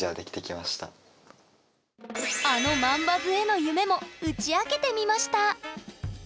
あの万バズへの夢も打ち明けてみました！